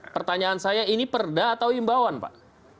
pertanyaan saya ini perda atau imbauan pak